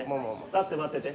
立って待ってて。